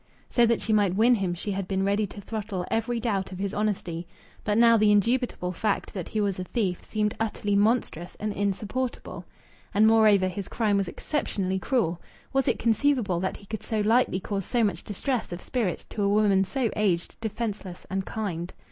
So that she might win him she had been ready to throttle every doubt of his honesty. But now the indubitable fact that he was a thief seemed utterly monstrous and insupportable. And, moreover, his crime was exceptionally cruel. Was it conceivable that he could so lightly cause so much distress of spirit to a woman so aged, defenceless, and kind?